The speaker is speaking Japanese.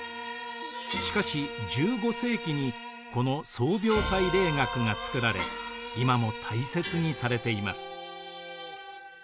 しかし１５世紀にこの宗廟祭礼楽が作られ今も大切にされています。